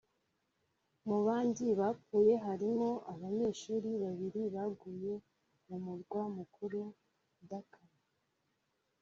Mu bandi bapfuye harimo abanyeshuri babiri baguye mu murwa mukuru Dhaka